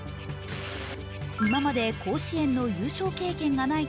今まで甲子園の優勝経験がない